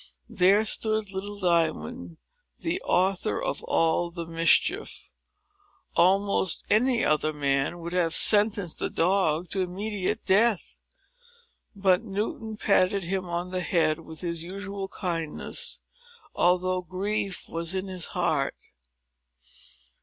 There stood little Diamond, the author of all the mischief. Almost any other man would have sentenced the dog to immediate death. But Newton patted him on the head with his usual kindness, although grief was at his heart.